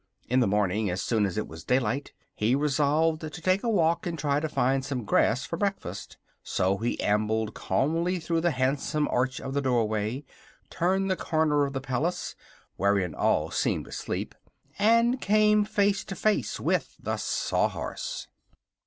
In the morning, as soon as it was daylight, he resolved to take a walk and try to find some grass for breakfast; so he ambled calmly through the handsome arch of the doorway, turned the corner of the palace, wherein all seemed asleep, and came face to face with the Sawhorse.